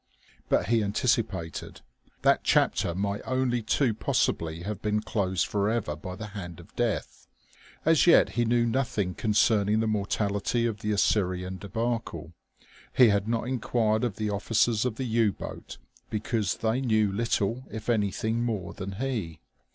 But he anticipated. That chapter might only too possibly have been closed forever by the hand of Death. As yet he knew nothing concerning the mortality of the Assyrian débâcle. He had not enquired of the officers of the U boat because they knew little if anything more than he.